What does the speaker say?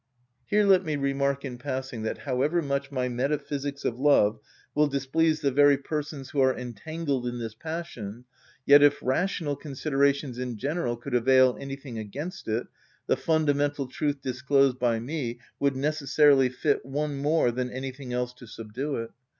Here let me remark in passing that however much my metaphysics of love will displease the very persons who are entangled in this passion, yet if rational considerations in general could avail anything against it, the fundamental truth disclosed by me would necessarily fit one more than anything else to subdue it.